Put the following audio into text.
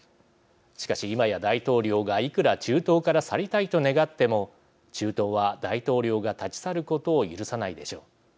しかし、今や大統領がいくら中東から去りたいと願っても中東は大統領が立ち去ることを許さないでしょう。